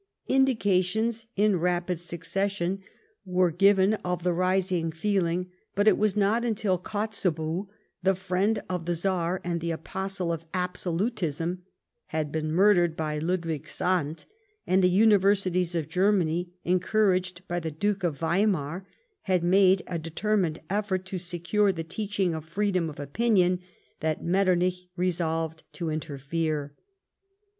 Indications, in rapid succession, were given of the rising feeling, but it was not until Kotzebue, the friend of the Czar and the apostle of absolutism, had been murdered by Ludwig Sandt, and the Universities of Germany, encouraged by the Duke of Weimar, had made a determined effort to secure the teaching of freedom of opinion, that Metternich resolved to interfere.